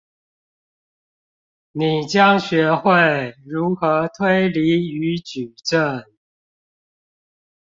你將學會如何推理與舉證